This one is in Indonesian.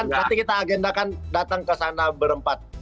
nanti kita agendakan datang kesana berempat